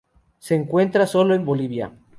Se encuentra sólo en Bolivia.